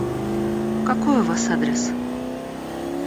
Какой у вас адрес?